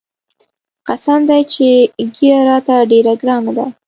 قسم دى چې ږيره راته ډېره ګرانه ده.